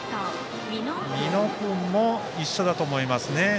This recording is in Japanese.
美濃君も一緒だと思います。